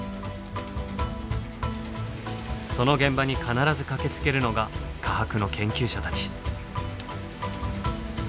その現場に必ず駆けつけるのが科博の研究者たち。